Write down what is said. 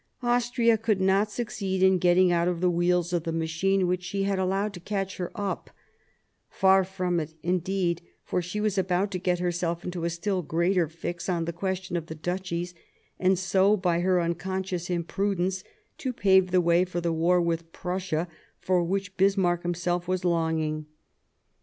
Austria could not succeed in getting out of the wheels of the machine which she had allowed to catch her up ; far from it indeed, for she was about to get herself into a still greater fix on the question of the Duchies, and so, by her un conscious imprudences, to pave the way for the war with Prussia for which Bismarck himself was longing.